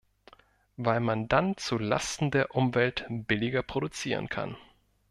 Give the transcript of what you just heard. Weil man dann zu Lasten der Umwelt billiger produzieren kann.